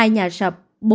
hai nhà sập